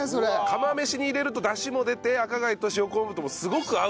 釜飯に入れるとダシも出て赤貝と塩昆布ともすごく合うと。